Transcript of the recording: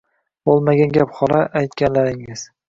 Bo’lmagan gap, xola, aytganlaringiz!